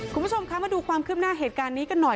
คุณผู้ชมคะมาดูความคืบหน้าเหตุการณ์นี้กันหน่อย